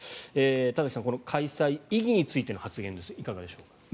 田崎さん、開催意義についての発言ですがいかがでしょう？